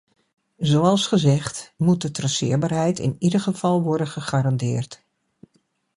Zoals gezegd, moet de traceerbaarheid in ieder geval worden gegarandeerd.